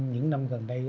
những năm gần đây